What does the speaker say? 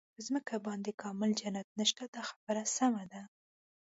په ځمکه باندې کامل جنت نشته دا خبره سمه ده.